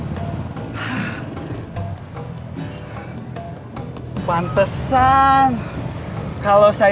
iya mungkin mesti tinggal lebih jauh recovery